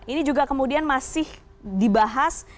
ini juga kemudian masih dibahas